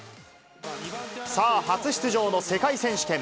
さあ、初出場の世界選手権。